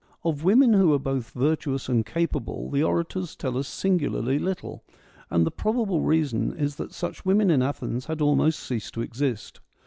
Of women who were both virtuous and capable the orators tell us singularly little, and the probable reason is that such women in Athens had almost ceased to exist.